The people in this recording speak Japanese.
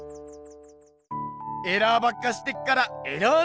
エラーばっかしてっからエラーノサウルス！